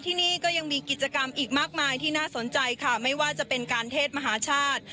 ที่นี่ก็ยังมีกิจกรรมอีกมากมายที่น่าสนใจค่ะไม่ว่าจะเป็นการเทศมหาชาติ